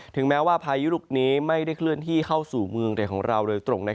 แม้ว่าพายุลูกนี้ไม่ได้เคลื่อนที่เข้าสู่เมืองของเราโดยตรง